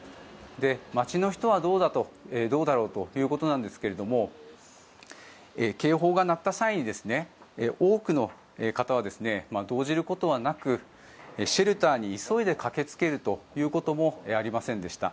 街の人はどうだろうということなんですけども警報が鳴った際に多くの方は動じることはなくシェルターに急いで駆けつけるということもありませんでした。